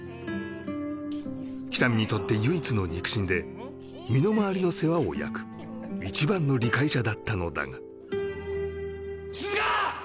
喜多見にとって唯一の肉親で身の回りの世話を焼く一番の理解者だったのだが涼香！